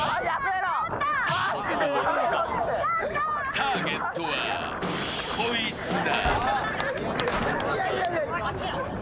ターゲットはこいつだ！